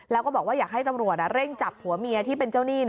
แล้วก็บอกว่าอยากให้ตำรวจเร่งจับผัวเมียที่เป็นเจ้าหนี้